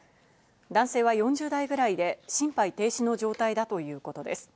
男性は４０代くらいで心肺停止の状態だということです。